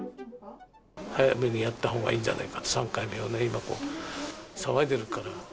早めにやったほうがいいんじゃないかと、３回目をね、今、騒いでるから。